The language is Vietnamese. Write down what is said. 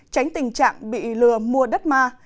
tránh tình trạng bị lừa mua đất ma